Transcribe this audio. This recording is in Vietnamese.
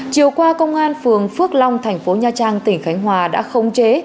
chiều qua công an phường phước long thành phố nha trang tỉnh khánh hòa đã khống chế